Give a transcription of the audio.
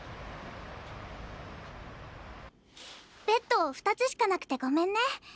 ベッド２つしかなくてごめんね。